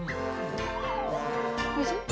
おいしい？